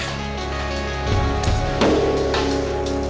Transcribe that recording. kemapa lagi sih